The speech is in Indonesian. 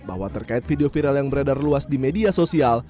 bahwa terkait video viral yang beredar luas di media sosial